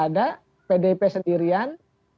ada pdp sendirian